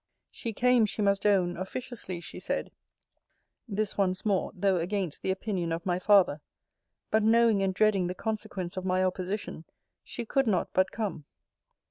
She came, she must own, officiously, she said, this once more, though against the opinion of my father: but knowing and dreading the consequence of my opposition, she could not but come.